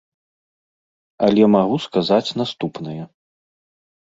Але магу сказаць наступнае.